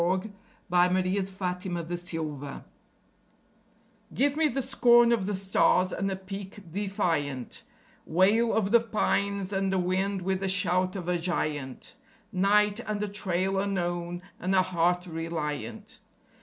_ The Song of the Soldier born _Give me the scorn of the stars and a peak defiant; Wail of the pines and a wind with the shout of a giant; Night and a trail unknown and a heart reliant.